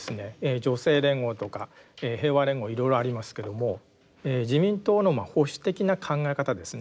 女性連合とか平和連合いろいろありますけども自民党の保守的な考え方ですね